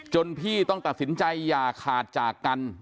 พี่ต้องตัดสินใจอย่าขาดจากกัน